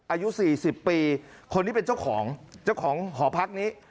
อายุ๔๐ปีคนนี้เป็นเจ้าของเจ้าของหอพักนี้